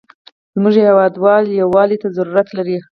زموږ هېواد یوالي ته ضرورت لري.